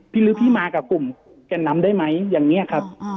หรือพี่มากับกลุ่มแก่นนำได้ไหมอย่างนี้ครับ